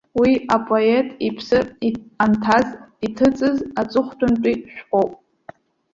Уи апоет иԥсы анҭаз иҭыҵыз аҵыхәтәантәи шәҟәуп.